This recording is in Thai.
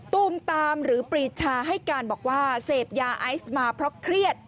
ตูมตามหรือปรีชาให้การบอกว่าเสพยาไอซ์มาเพราะเครียด